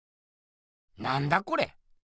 なんだこれ？